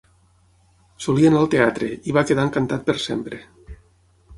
Solia anar al teatre, i va quedar encantat per sempre.